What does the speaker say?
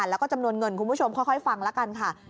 แล้วก็จำนวนเงินคุณผู้ชมค่อยฟังแล้วกันค่ะ